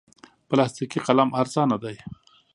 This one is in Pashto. پلاستیکي قلم ارزانه دی.